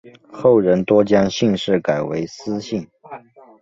后人多将姓氏改为司姓。